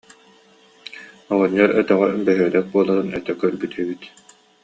Оҕонньор өтөҕө бөһүөлэк буоларын өтө көрбүт эбит